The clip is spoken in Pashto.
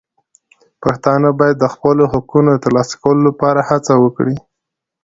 پښتانه باید د خپلو حقونو د ترلاسه کولو لپاره هڅه وکړي.